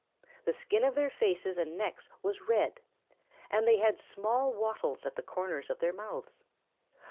The skin of their faces and necks was red, and they had small wattles at the corners of their mouths.